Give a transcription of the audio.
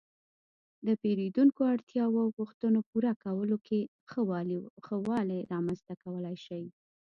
-د پېرېدونکو اړتیاو او غوښتنو پوره کولو کې ښه والی رامنځته کولای شئ